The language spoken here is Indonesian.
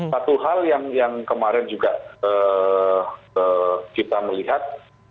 satu hal yang kemarin juga kita melihat